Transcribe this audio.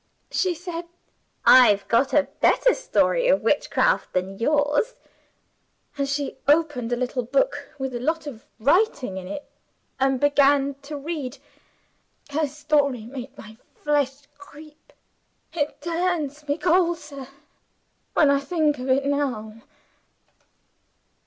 "She said, 'I've got a better story of Witchcraft than yours.' And she opened a little book, with a lot of writing in it, and began to read. Her story made my flesh creep. It turns me cold, sir, when I think of it now."